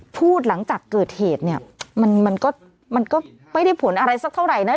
พูดหลังจากเกิดเหตุเนี่ยมันก็มันก็ไม่ได้ผลอะไรสักเท่าไหร่นะ